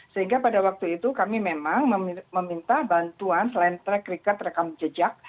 sehingga pada waktu itu kami memang meminta bantuan selain track record rekam jejak